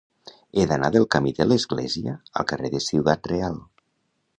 He d'anar del camí de l'Església al carrer de Ciudad Real.